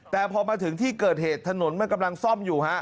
แต่พอมาถึงที่เกิดเหตุถนนมันกำลังซ่อมอยู่ฮะ